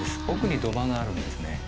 奥に土間があるんですね。